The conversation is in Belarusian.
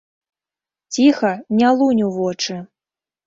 Ціха, не лунь у вочы.